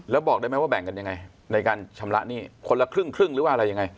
แล้วบอกได้ไหมว่าแบ่งกันยังไงในการชำระหนี้คนละครึ่งหรือว่าอะไรยังไง